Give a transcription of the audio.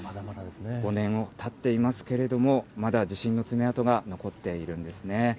５年たっていますけれども、まだ地震の爪痕が残っているんですね。